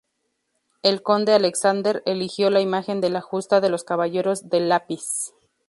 El conde Alexander eligió la imagen de la justa de "los caballeros del lápiz".